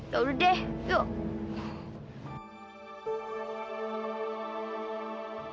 yaudah deh yuk